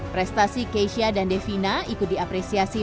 prestasi keisha dan devina ikut diapresiasi